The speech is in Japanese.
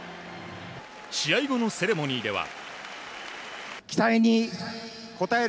試合後のセレモニーでは。